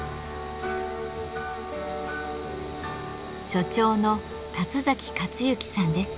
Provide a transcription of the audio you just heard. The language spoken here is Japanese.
所長の立崎勝幸さんです。